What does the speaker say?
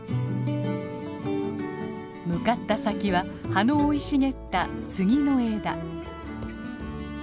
向かった先は葉の生い茂ったスギの枝。